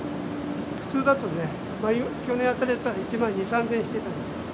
普通だとね、去年あたりだったら１万２、３０００円してた。